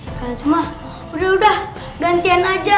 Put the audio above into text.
eh kak juma udah udah gantian aja